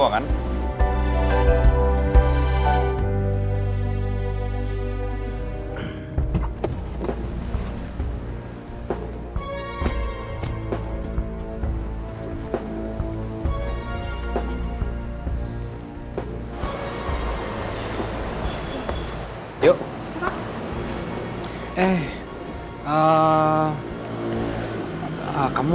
gak masalah kak